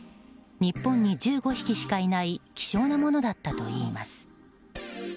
日本に１５匹しかいない希少なものだったといいます。